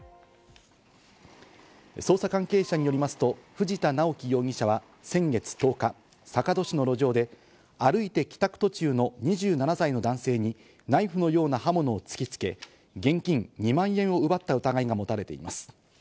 捜査関係者によりますと、藤田直樹容疑者は先月１０日、坂戸市の路上で、歩いて帰宅途中の２７歳の男性にナイフのような刃物を突きつけ、現金２万円を奪った疑いが持たれています。